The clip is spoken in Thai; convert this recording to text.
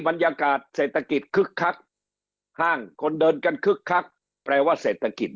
บรรยากาศเศรษฐกิจคึกคักห้างคนเดินกันคึกคักแปลว่าเศรษฐกิจ